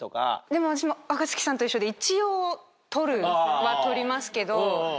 でも私も若槻さんと一緒で。は撮りますけど。